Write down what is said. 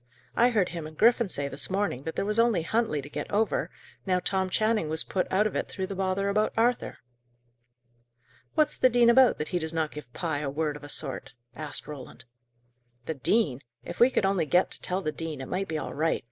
I heard him and Griffin say this morning that there was only Huntley to get over, now Tom Channing was put out of it through the bother about Arthur." "What's the dean about, that he does not give Pye a word of a sort?" asked Roland. "The dean! If we could only get to tell the dean, it might be all right.